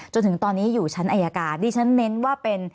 จนถึงตอนนี้อยู่ชั้นอายการดิฉันเน้นว่าเป็น